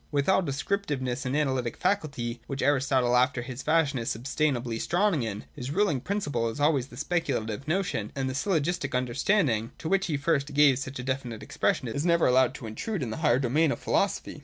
With all the descriptiveness and analytic faculty which Aris totle after his fashion is substantially strong in, his ruling principle is always the speculative notion ; and that syllogistic of ' understanding ' to which he first gave such a definite expression is never allowed to intrude in the higher domain of philosophy.